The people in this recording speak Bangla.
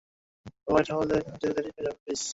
হোয়াইট হাউসে যেতে দেরি হয়ে যাবে, প্লিজ।